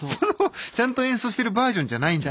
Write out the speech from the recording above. ちゃんと演奏してるバージョンじゃないんだ。